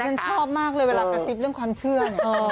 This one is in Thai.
ฉันชอบมากเลยเวลากระซิบเรื่องความเชื่อเนี่ย